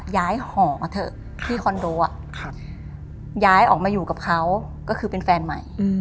หอะเถอะที่คอนโดย้ายออกมาอยู่กับเขาก็คือเป็นแฟนใหม่